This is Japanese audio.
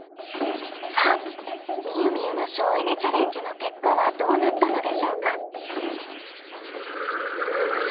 さあみゆみゆの省エネ・チャレンジの結果はどうなったのでしょうか？